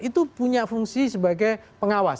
itu punya fungsi sebagai pengawas